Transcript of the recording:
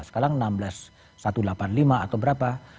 sekarang enam belas ribu satu ratus delapan puluh lima atau berapa